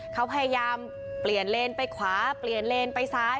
เขาพยายามเปลี่ยนเลนไปขวาเปลี่ยนเลนไปซ้าย